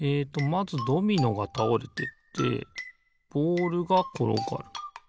まずドミノがたおれてってボールがころがる。